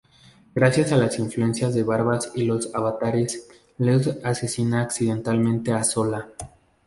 Gracias a las influencias de Barbas y los Avatares, Leo asesina accidentalmente a Zola.